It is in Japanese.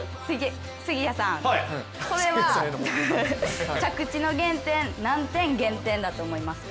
これは着地の減点、何点減点だと思いますか？